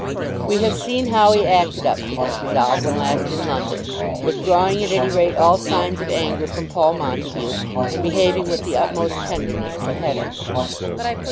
We have seen how he acted up to this resolve when last in London, withdrawing at any rate all signs of anger from Paul Montague and behaving with the utmost tenderness to Hetta.